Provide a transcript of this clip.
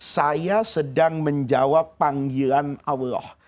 saya sedang menjawab panggilan allah